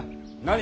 何？